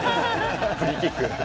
フリーキック。